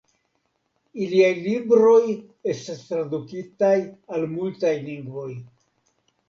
Iliaj libroj estas tradukitaj al multaj lingvoj.